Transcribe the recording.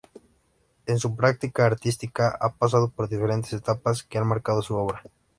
En su práctica artística ha pasado por diferentes etapas que han marcado su obra.